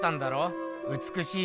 うつくしい